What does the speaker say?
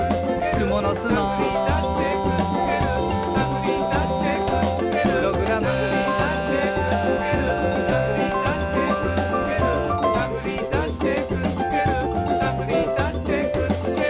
「くものすの」「たぐりだしてくっつける」「たぐりだしてくっつける」「プログラム」「たぐりだしてくっつける」「たぐりだしてくっつける」「たぐりだしてくっつけるたぐりだしてくっつける」